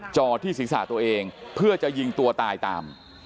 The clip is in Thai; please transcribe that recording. จอดที่ศีรษะตัวเองเพื่อจะยิงตัวตายตาม